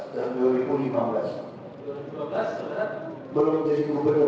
jadi ketika saudara wakil gubernur dan gubernur